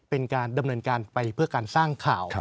เป็นการดำเนินการไปเพื่อการสร้างข่าว